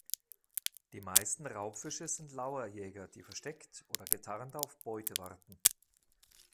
Die meisten Raubfische sind Lauerjäger, die versteckt oder getarnt auf Beute warten.